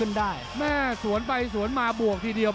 เผ่าฝั่งโขงหมดยก๒